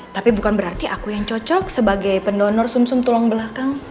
tapi bukan berarti aku yang cocok sebagai pendonor sum sum tulang belakang